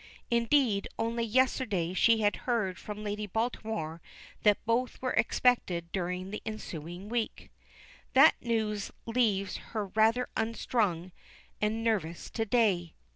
Indeed, only yesterday she had heard from Lady Baltimore that both were expected during the ensuing week. That news leaves her rather unstrung and nervous to day.